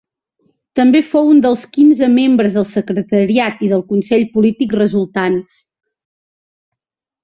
També fou un dels quinze membres del Secretariat i del Consell Polític resultants.